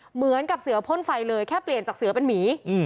เหมือนกับเสือพ่นไฟเลยแค่เปลี่ยนจากเสือเป็นหมี